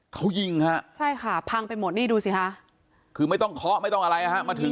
เขายิงฮะใช่ค่ะพังไปหมดนี่ดูสิค่ะคือไม่ต้องเคาะไม่ต้องอะไรนะฮะมาถึง